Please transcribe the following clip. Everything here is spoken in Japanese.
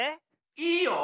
いいよ。